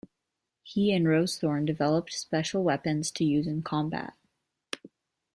He and Rosethorn developed special weapons to use in combat.